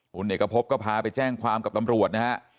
คุณเอกพบก็พาไปแจ้งความกับตำรวจนะฮะ